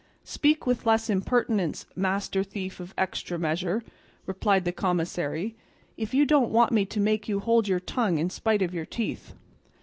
"Speak with less impertinence, master thief of extra measure," replied the commissary, "if you don't want me to make you hold your tongue in spite of your teeth."